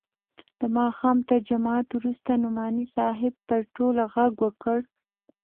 د ماښام تر جماعت وروسته نعماني صاحب پر ټولو ږغ وکړ.